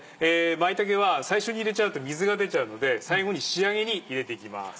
舞茸は最初に入れちゃうと水が出ちゃうので最後に仕上げに入れていきます。